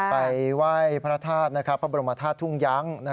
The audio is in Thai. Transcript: ไปไหว้พระธาตุพระบรมธาตุทุ่งยั้ง